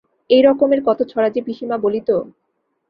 এই রকমের কত ছড়া যে পিসিমা বলিত!